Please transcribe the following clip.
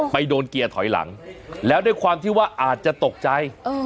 โดนเกียร์ถอยหลังแล้วด้วยความที่ว่าอาจจะตกใจ